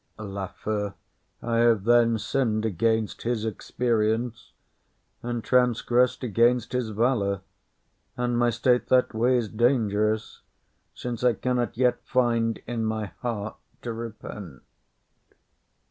LAFEW. I have, then, sinned against his experience and transgressed against his valour; and my state that way is dangerous, since I cannot yet find in my heart to repent.